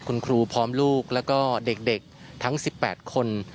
คุณครูพร้อมลูกแล้วก็เด็กทั้ง๑๘คน